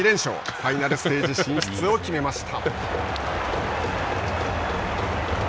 ファイナルステージ進出を決めました。